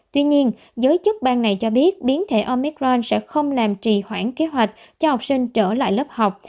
tuy nhiên giới chức bang này cho biết biến thể omicron sẽ không làm trì khoảng kế hoạch cho học sinh trở lại lớp học